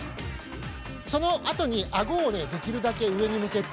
そのあとにあごをねできるだけ上に向けて。